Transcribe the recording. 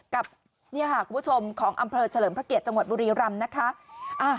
กับนี่ค่ะคุณผู้ชมของอำเภอเฉลิมพระเกียรติจังหวัดบุรีรำนะคะ